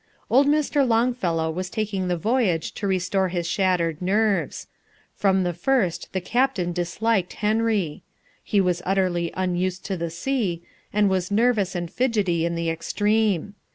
Old Mr. Longfellow was taking the voyage to restore his shattered nerves. From the first the captain disliked Henry. He was utterly unused to the sea and was nervous and fidgety in the extreme.